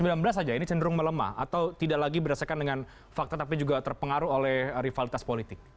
di tahun dua ribu sembilan belas saja ini cenderung melemah atau tidak lagi berdasarkan dengan fakta tapi juga terpengaruh oleh rivalitas politik